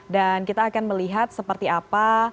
dan kita akan melihat seperti apa